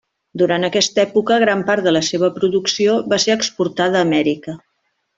Durant aquesta època, gran part de la seva producció va ser exportada a Amèrica.